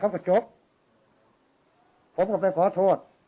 เราก็ลุงรถก็ไปขอโทษ